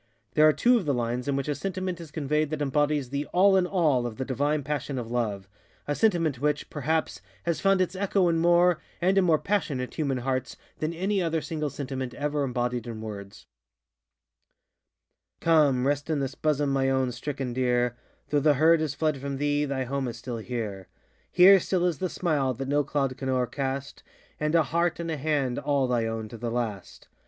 There are two of the lines in which a sentiment is conveyed that embodies the _all in all _of the divine passion of LoveŌĆöa sentiment which, perhaps, has found its echo in more, and in more passionate, human hearts than any other single sentiment ever embodied in words:ŌĆö Come, rest in this bosom, my own stricken deer Though the herd have fled from thee, thy home is still here; Here still is the smile, that no cloud can oŌĆÖercast, And a heart and a hand all thy own to the last.